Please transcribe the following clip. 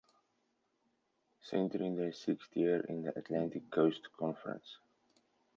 Center in their sixth year in the Atlantic Coast Conference.